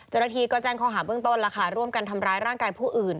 จนทีก็แจ้งคอหาเบื้องต้นร่วมกันทำร้ายร่างกายผู้อื่น